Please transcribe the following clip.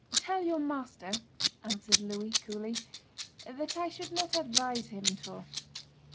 "Tell your master," answered Louis coolly, "that I should not advise him to."